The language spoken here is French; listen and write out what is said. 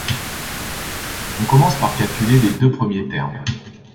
On commence par calculer les deux premiers termes.